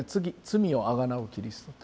罪をあがなうキリスト。